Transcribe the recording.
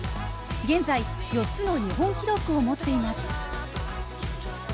現在、４つの日本記録を持っています。